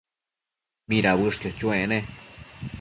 ¿mida uëshquio chuec ne?